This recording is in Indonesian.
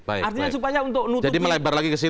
artinya supaya untuk menutupi